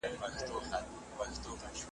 په ککړو په شکرونو سوه له خدایه .